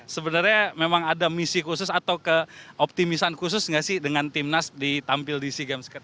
sebenarnya memang ada misi khusus atau keoptimisan khusus gak sih dengan timnas ditampil di sea games ke tiga puluh dua